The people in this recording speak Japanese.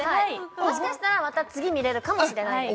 もしかしたらまた次見れるかもしれないです